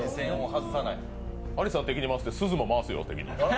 アリスさん敵に回すと、すずも回すよ。